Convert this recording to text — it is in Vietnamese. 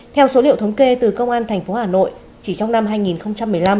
theo số liệu thống kê từ công an tp hà nội chỉ trong năm hai nghìn một mươi năm